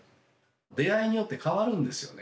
出会いによって変わるんですよね。